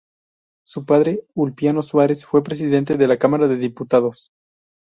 Su padre, Ulpiano Suarez, fue presidente de la Cámara de Diputados.